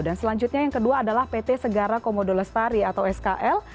dan selanjutnya yang kedua adalah pt segara komodo lestari atau skl